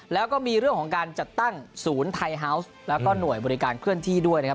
แล้วก็มีเรื่องของการจัดตั้งศูนย์ไทยฮาวส์แล้วก็หน่วยบริการเคลื่อนที่ด้วยนะครับ